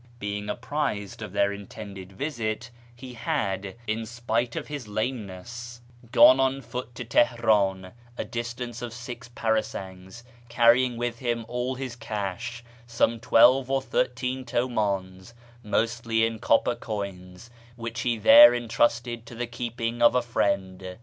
Being apprised of their intended visit, he had, in spite of his lameness, gone on foot to Teheran (a distance of six parasangs), carrying with him all his cash (some twelve or thirteen Hmdns), mostly in copper coins, which he there entrusted to the keeping of a friend.